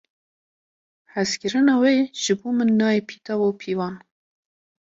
Hezkirina wê ji bo min nayê pîtav û pîvan.